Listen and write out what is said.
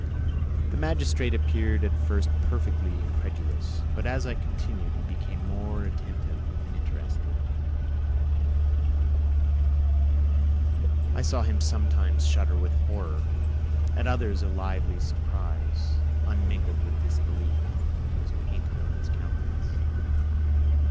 The magistrate appeared at first perfectly incredulous, but as I continued he became more attentive and interested; I saw him sometimes shudder with horror; at others a lively surprise, unmingled with disbelief, was painted on his countenance.